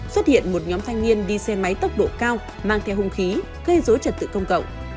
xuất hiện một nhóm thanh niên đi xe máy tốc độ cao mang theo hung khí gây dối trật tự công cộng